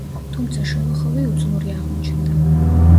თუმცა შოლოხოვი უძლური აღმოჩნდა.